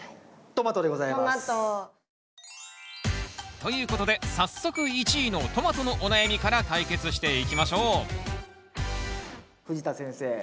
トマト。ということで早速１位のトマトのお悩みから解決していきましょう藤田先生